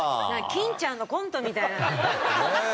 欽ちゃんのコントみたい。